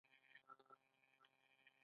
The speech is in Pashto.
ایا ستاسو دلیل قوي نه دی؟